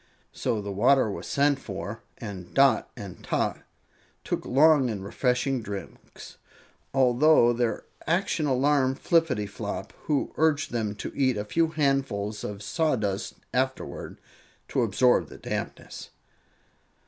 So the water was sent for, and Dot and Tot took long and refreshing drinks, although their action alarmed Flippityflop, who urged them to eat a few handfuls of sawdust afterward to absorb the dampness.